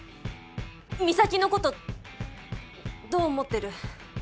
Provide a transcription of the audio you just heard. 美咲のことどう思ってる？